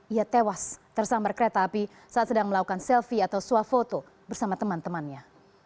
ia tewas tersambar kereta api saat sedang melakukan selfie atau swafoto bersama teman temannya